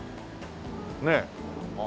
ねえ。